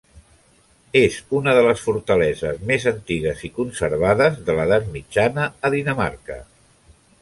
És una de les fortaleses més antigues i conservades de l'edat mitjana a Dinamarca.